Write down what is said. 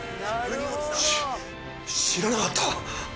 し知らなかった。